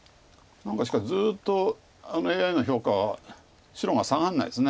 何かしかしずっとＡＩの評価は白が下がらないですね。